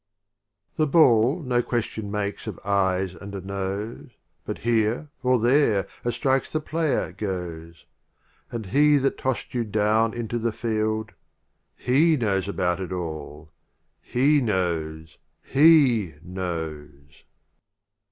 LXX. The Ball no question makes of Ayes and Noes, But Here or There as strikes the Player goes; And He that toss'd you down into the Field, He knows about it all — he knows — HE knows!